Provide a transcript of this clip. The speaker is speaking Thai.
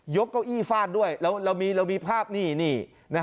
เก้าอี้ฟาดด้วยแล้วเรามีภาพนี่